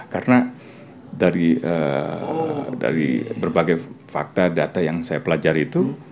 karena dari berbagai fakta data yang saya pelajari itu